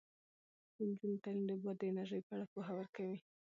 د نجونو تعلیم د باد د انرژۍ په اړه پوهه ورکوي.